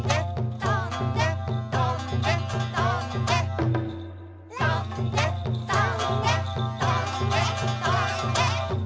とんでとんでとんでとんで！